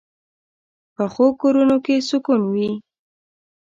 پخو کورونو کې سکون وي